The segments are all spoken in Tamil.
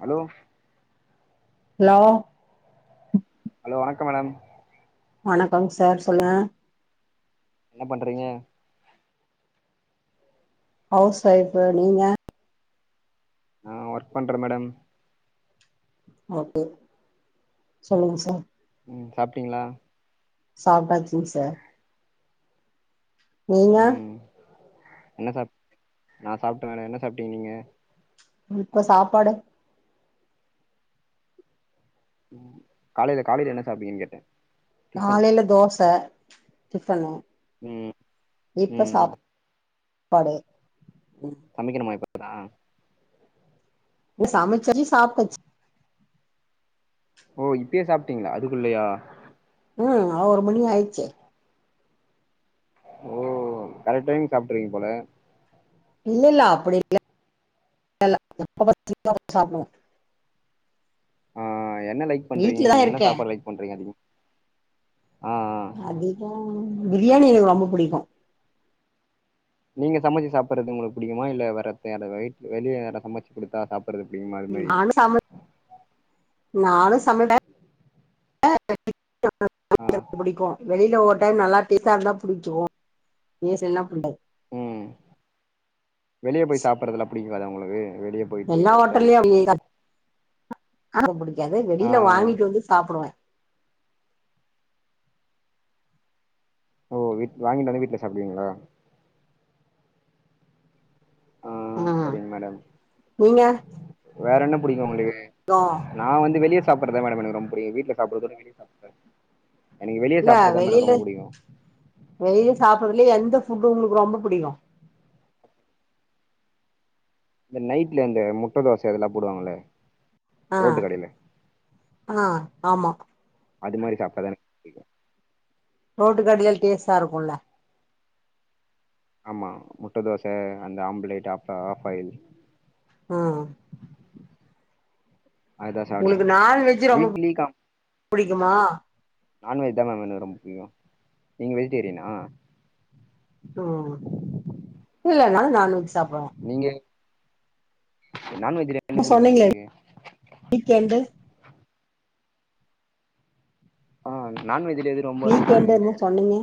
ஹலோ ஹலோ ஹலோ வணக்கோ மேடம் வணக்கம் சார் சொல்லுங்க என்ன பண்றீங்க ஹவுஸ் ஒய்ஃப்பு நீங்க நா ஒர்க் பண்ற மேடம் ஓகே சொல்லுங்க சார் ம் சாப்ட்டீங்ளா சாப்ட்டாச்சிங் சார் நீங்க ம் என்ன சாப் நா சாப்ட்ட நானு என்ன சாப்ட்டீங்க நீங்க இப்ப சாப்பாடு காலைல காலைல என்ன சாப்ட்டீங்கன் கேட்டே டிஃபன் காலைல தோச டிஃபனு ம் இப்ப ம் சாப் பாடு சமைக்கணுமா இப்பத்தா இன்ன சமைச்சோனே சாப்ட்டாச்சி ஓ இப்பயே சாப்ட்டீங்ளா அதுக்குள்ளயா ம் ஓவ்ரு மணி ஆய்ச்சே ஓ கரெட் டைம்க் சாப்ட்ருவீங்க போல இல்லல்ல அப்டி இல்ல [inaudible] அப்ப சாப்டுவோ ஆ என்ன லைக் பண்றீங்க வீட்லதான் நீங்க என்ன இருக்கேன் சாப்பாடு லைக் பண்றீங்க அதிகோ ஆ ஆ அதிகோ பிரியாணி எங்களுக்கு ரொம்போ புடிக்கு நீங்க சமைச்சு சாப்பட்றது உங்களுக் புடிக்குமா இல்ல வேற அத்தே அதாவ்து வீட் வெளிய யாரத் சமைச்சு குடுத்தா சாப் பட்றது புடிக்குமா அது மாரி நானு சம [inaudible] நானு சமைப்பே [inaudible] ஆ [inaudible] புடிக்கு வெளில ஓ ரு டைம் நல்லா டேஸ்டா இருந்தா புடிக்கு [unintelligible] புடிக்காத் ம் வெளிய போய் சாப்பட்றதுலா புடிக்காதா உங்களுக்கு வெளிய போயிட்டு எல்லா ஹோட்டல் ஹோட்டல்லயு [inaudible] சாப்பட புடிக்காது ஆ வெளில வாங்கிட்டு வந்து சாப்பிடுவோ ஓ வீட் வாங்கிட்டு வந்து வீட்ல சாப்பிடுவிங்ளா ஆ ம் செரிங் மேடம் நீங்க வேற என்ன புடிக்கு உங்களுக்கு [unintelligible] நா வந்து வெளிய சாப்பட்றதா மேடம் எனக்கு ரொம்ப புடிக்கு வீட்ல சாப்பட்றத விட வெளிய சாப்பட் [inaudible] இல்ல வெளில வெளில சாப்பிடறதுலே எந்த ஃபுட்டு உங்களுக்கு ரொம்ப புடிக்கு இந்த நைட்ல இந்த முட்ட தோச இதெல்லா போடுவாங்கல்ல ஆ ரோட்டு கடைல ஆ ஆமா அது மாரி சாப்டா தா எனக் புடிக்கு ரோட்டு கடைல டேஸ்டா இருக்குல்ல ஆமா முட்ட தோசை அந்த ஆம்ப்லேட்டு அப்ற ஆப்பாயில் ம் அதுதா சாப்டுவே உங்களுக்கு நான்வெஜ்ஜு ரொம்ப வீக்லி புடிக்குமா நான்வெஜ்ஜு தா மேம் எனக் ரொம்ப புடிக்கு நீங்க வெஜிடேரியனா ம் இல்ல நா நான்வெஜ் சாப்டுவே நீங்க நான்வெஜ்ஜு தே என்னமோ சொன்னீங்ளே வீக் என்டு ஆ நான்வெஜ்லே எது ரொம்போ வீக்கெண்டு புடிக்கு என்னமோ கேக்குறே சொன்னீங்க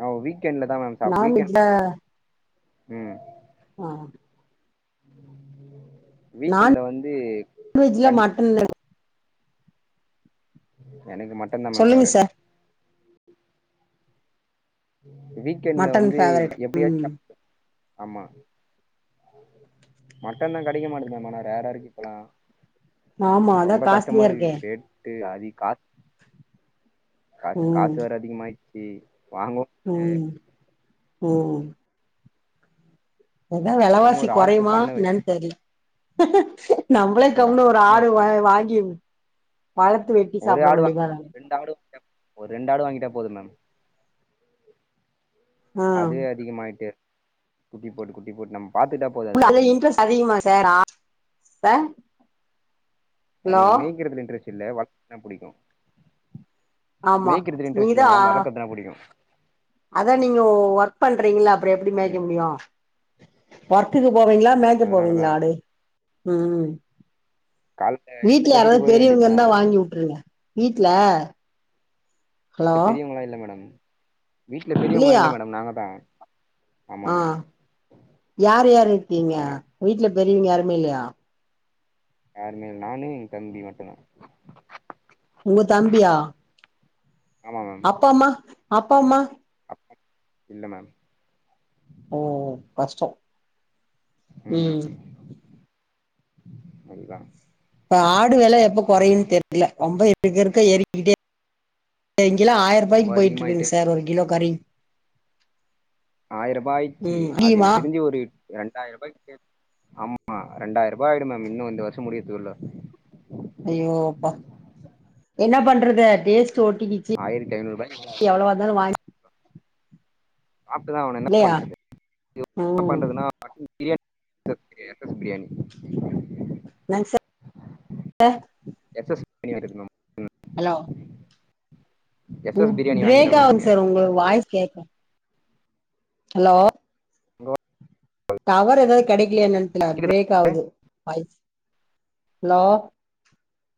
ஆ வீக் வீக்கென்ட்ல தா மேம் சா வீக்கென்ட் நான்வெஜ்ல ம் ஆ வீக்கென்ட்ல வந்து ஃப்ரிட்ஜ்ல கண்டிப்பா மட்டன் எனக்கு மட்டன் தா மேம் சொல்லுங்க ஃபேவ்ரெட்டு சார் வீக்கென்ட்ல மட்டன் வந்து ஃபேவரட் எப்டியாச்சு ம் சாப்ட்ருவே ஆமா மட்டன் தா கெடைக்க மாட்டிது மேம் ஆனா ரேரா இருக்கு இப்பலா ஆமா அதா ரொம்ப காஸ்ட்லியா இருக்கே கஷ்டமாருக்கு ரே ட்டு அதி கா காசு ம் காசு வேற அதிகமாய்ச்சு வாங்கோ ம் ஓ எதா பேசாம வெலவாசி ஒரு ஆட்டு கொறயுமா பண்ண வச்சு என்னன் தெர்ல நம்ளே தொர்ந்து ஆட்டு ஒரு பண்ண ஆடு வா வச்சுட்டா வாங்கி வளர்த்து வெட்டி சாப்ட வேண்டிதா ரெண்டாடு ஒரு ரெண்டு ஆடு வாங்கிட்டா போது மேம் ஆ அதே அதிகமாய்ட்டு குட்டி போட்டு குட்டி போட்டு நம்ம பாத்துட்டா போதும் அது பத்திரமா இன்ட்ரெஸ்ட் அதிகமா சார் ஹலோ எனக்கு மேய்க்கிறதுல இன்ட்ரெஸ்ட் இல்ல வளக்கதா புடிக்கு ஆமா மேய்க்றதுல இன்ட்ரஸ்ட் இல்ல நீங்கதா மேடம் வளக்கற்துனா புடிக்கு அதா நீங்க ஒர்க் பண்றீங்கள அப்றோ எப்டி மேய்க்க ம் முடியு ஒர்க்குக்கு போவீங்ளா மேய்க்க போவீங்ளா அதனாலதான் ஆடு ம் காலைல வீட்ல எழுந்து கட்டிட்டு யாராவ்து போயிட பெரியவங்க இருந்தா வேண்டியதுதான் வாங்கி வுட்ருங்க வீட்ல ஹலோ வீட்ல பெரியோங்களா இல்ல மேடம் வீட்ல பெரியோங்களா இல்லையா இல்ல மேடம் நாங்க தா ஆமா ஆ மேடம் யார் யார்ருக்கீங்க அதனால வீட்ல பெரியவங்க யாருமே இல்லயா யாருமேல்ல நானு எங் தம்பி மட்டுந்தா உங்க தம்பியா ஆமா மேம் அப்பாம்மா அப்பாம்மா அப்பா இல்ல மேம் ஓ கஷ்டோ ம் அதுதா இப்ப ஆடு வெல எப்ப கொறயுன் தெர்ல ரொம்ப இருக்க இருக்க ஏறிக்கிட்டே இங்கல்லா ரொம்ப ஆய்ரூபாய்க்கு போய்ட்டு அதிகமாயிட்டே இருக்குது இருக்கு சார் ஒரு கிலோ கறி ஆய ரூபா ஆயிர்ச்சி ம் அது முடியுமா எனக் தெரிஞ்சு ஒரு ரெண்டாயிரூபாய்க்கே ஆமா ரெண்டாய்ரூபா ஆய்டும் மேம் இன்னு இந்த வர்ஷோ முடிறதுக்குள்ள அய்யோ அப்பா என்ன பண்றது டேஸ்ட்டு ஒட்டிகிச்சு ஆயிரத்தி ஐநூறு ரூபாய்க்கு எவ்ளவாந்தாலு வா சாப்ட்டுதா ஆவுனு என்ன இல்லையா பண்றது என்ன ம் பண்றதுன்னா [inaudible] மட்டன் பிரியாணி என்னங்க சார் எப்ப [inaudible] ஹலோ எஸ் பு எஸ் பிரியாணி பிரேக் வாங்கிடுங்க மேம் ஆவுது எஸ் சார் எஸ் பிரியாணி வாங்கிறே மேம் எங்க அதுக்கு வாய்ஸ் கேக்க ஹலோ [inaudible] டவர் எதோ கெடைக்கலயா என்னன் தெர்ல கேக்குதா பிரேக் ஆவுது வாய்ஸ் ஹலோ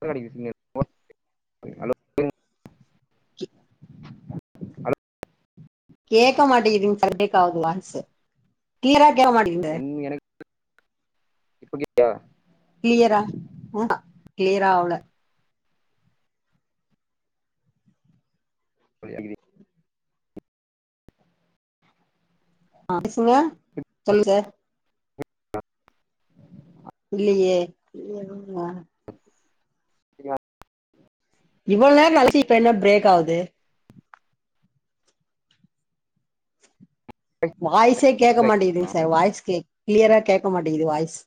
கெடைக்கு சிக்னல் ஹலோ ஹலோ கேக்க மாட்டேங்கிதுங்க சார் பிரேக் ஆகுது வாய்ஸ் க்ளியரா கேக்க மாட்டேங்கிது என் எனக்கு இப்ப கேக்குதா கிளியரா ஆ கிளியரா ஆவல இப்ப கேக்குது ஆ பேசுங்க சொல்லுங்க ஆ இல்லையே கேக்குதா இவ்ள நேரோ கழிச்சு இப்ப என்ன பிரேக் ஆவுது வாய்ஸே கேட்க மாட்டேங்கிதுங்க சார் வாய்ஸ் கேக் கிளியரா கேக்க மாட்டேங்கிது வாய்ஸ்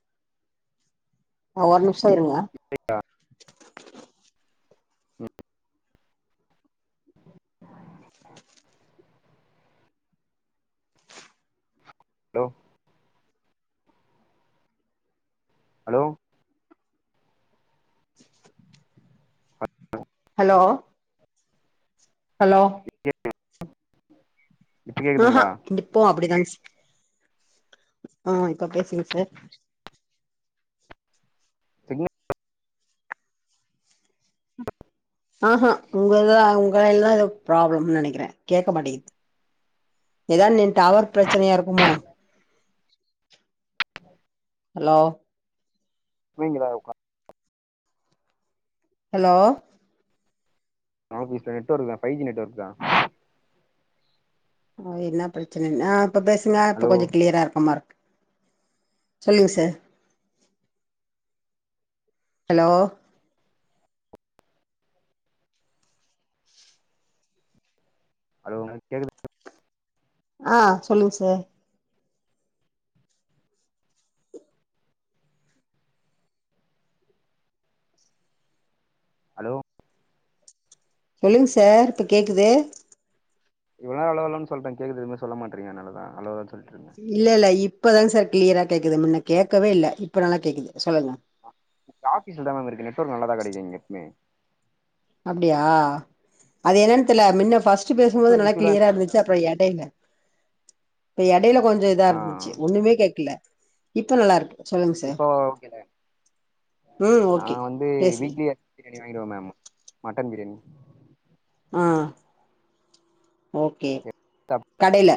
ஆ ஒரு நிமிஷோ இருங்க [inaudible] ம் ஹலோ ஹலோ ஹலோ ஹலோ [inaudible] இப்ப ஆஹா கேக்குதுங்களா இப்பவு அப்டிதான சா ஆ இப்ப பேசுங்க சார் சிக்னல் ஆஹா உங்கதா உங்களதா ஏதோ ப்ராப்ளம்ன்னு நெனைக்கிறே கேக்க மாட்டேங்கிது ஏதா நின் டவர் பிரச்சனையா இருக்குமோ ஹலோ நீங்க தா உக்கா ஹலோ ஆபீஸ்ல நெட்வொர்க்தா ஃபைவ் ஜி நெட்வொர்க்தா ஓ என்ன பிரச்சனன்னு ஆ இப்ப பேசுங்க இப்ப ஹலோ கொஞ்சோ கிளியரா இருக்க மாரி இருக்கு சொல்லுங்க சார் ஹலோ ஹலோங்க கேக்குதா ஆ சொல்லுங்க சார் ஹலோ சொல்லுங்க சார் இப்ப கேக்குது இவ்ளோ நேரோ ஹலோ ஹலோன்னு சொல்றே கேக்குது எதுமே சொல்ல மாட்றீங்க அதுனாலதா ஹலோ ஹலோன்னு சொல்ட்ருந்தே இல்ல இல்ல இப்பதாங்க சார் கிளியரா கேக்குது முன்ன கேக்கவே இல்ல இப்ப நல்லா கேக்குது சொல்லுங்க ஆபீஸ்லதா மேம் இருக்கு நெட்வொர்க் நல்லாதா கெடைக்கு இங்க எப்பமே அப்டியா அது என்னென்னு தெர்ல முன்ன ஃபர்ஸ்ட் பேசும்போது நெட்ஒர்க் நல்லா இஷ்யூலா கிளியராக இருந்துச்சு அப்பறோ இடேல இப்ப இடேல கொஞ்சோ இதா ஆ இருந்துச்சு ஒண்ணுமே கேக்கல இப்ப நல்லா இருக்கு சொல்லுங்க சார் இப்ப ஓகேல ம் நா ஓகே வந்து பேசுங்க வீக்லிய பிரியாணி வாங்கிடுவோ மேம் மட்டன் பிரியாணி ஆ ஓகே கடைல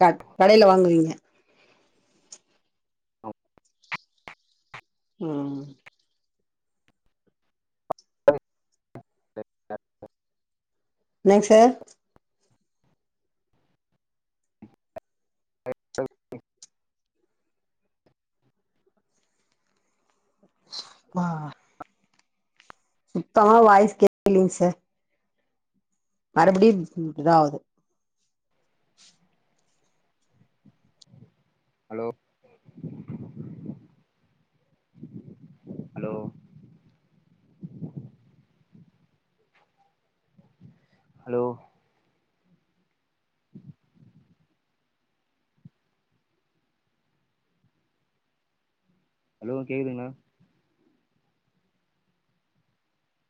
க கடைல வாங்குவீங்க ஆ அது என்னங்க சார் ஆ சுத்தமா வாய்ஸ் கேக்கலீங்க சார் மறுபடியும் இதா ஆகுது ஹலோ ஹலோ ஹலோ ஹலோ கேக்குதுங்களா